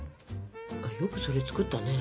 よくそれ作ったね。